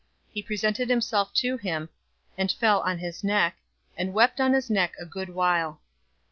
He presented himself to him, and fell on his neck, and wept on his neck a good while.